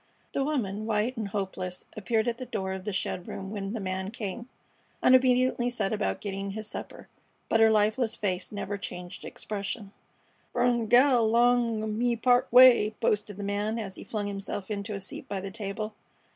The woman, white and hopeless, appeared at the door of the shed room when the man came, and obediently set about getting his supper; but her lifeless face never changed expression. "Brung a gal 'long of me part way," boasted the man, as he flung himself into a seat by the table.